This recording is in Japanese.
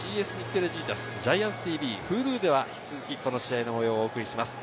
テレジータス、ＧＩＡＮＴＳＴＶ、Ｈｕｌｕでは、引き続きこの試合の模様をお送りします。